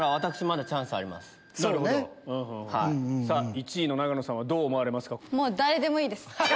１位の永野さんはどう思われますか？